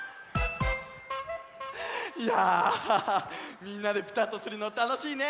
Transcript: いやみんなでぴたっとするのたのしいね！